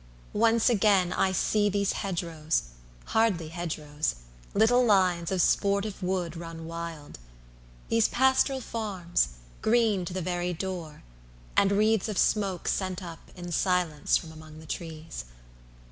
Once again I see These hedge rows, hardly hedge rows, little lines Of sportive wood run wild: these pastoral farms, Green to the very door; and wreaths of smoke Sent up, in silence, from among the trees!